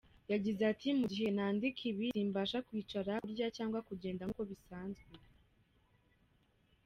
Yagize at “Mu gihe nandika ibi simbasha kwicara, kurya cyangwa kugenda nkuko bisanzwe.